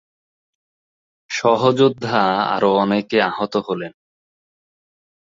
সহযোদ্ধা আরও অনেকে আহত হলেন।